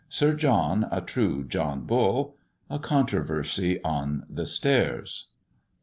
SIR JOHN A TRUE JOHN BULL. A CONTROVERSY ON THE STAIRS.